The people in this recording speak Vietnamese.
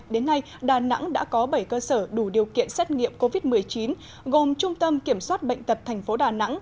đến nay đà nẵng đã có bảy cơ sở đủ điều kiện xét nghiệm covid một mươi chín gồm trung tâm kiểm soát bệnh tật tp đà nẵng